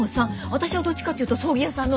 私はどっちかっていうと葬儀屋さんの。